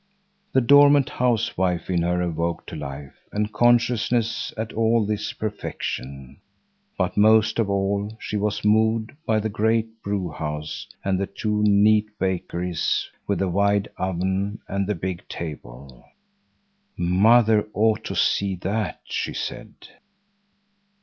The dormant housewife in her awoke to life and consciousness at all this perfection. But most of all, she was moved by the great brewhouse and the two neat bakeries with the wide oven and the big table. "Mother ought to see that," she said.